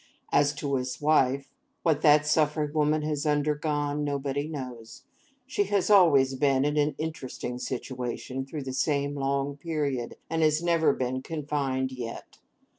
As to his wife, what that suffering woman has undergone, nobody knows. She has always been in an interesting situation through the same long period, and has never been confined yet.